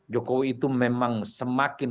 jokowi itu memang semakin